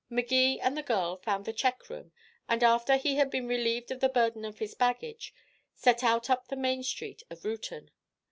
Magee and the girl found the check room, and after he had been relieved of the burden of his baggage, set out up the main street of Reuton.